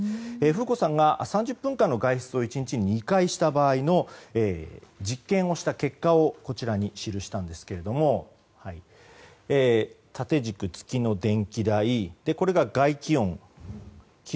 風子さんが３０分の外出を２回した場合の実験をした結果をこちらに記したんですけど縦軸、月の電気代横軸が外気温。